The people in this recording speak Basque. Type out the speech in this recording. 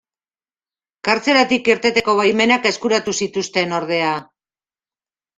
Kartzelatik irteteko baimenak eskuratu zituzten, ordea.